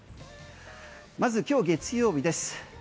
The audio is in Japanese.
まず今日、月曜日です。